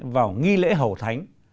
vào nghi lễ hậu thánh